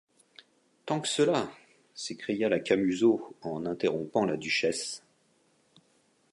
Tant que cela!... s’écria la Camusot en interrompant la duchesse.